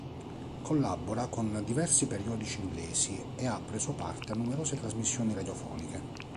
Collabora con diversi periodici inglesi e ha preso parte a numerose trasmissioni radiofoniche.